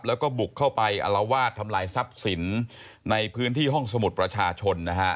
แล้วก็บุกเข้าไปอลวาดทำลายทรัพย์สินในพื้นที่ห้องสมุดประชาชนนะฮะ